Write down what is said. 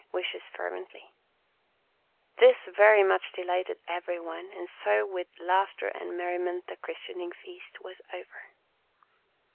5 " x This very much delighted every one, and so with laughter and merriment the christening feast was over.